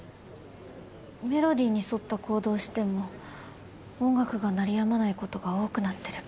メロディーに沿った行動をしても音楽が鳴りやまないことが多くなってる気がして。